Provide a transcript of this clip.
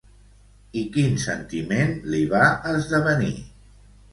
I quin sentiment li va esdevenir?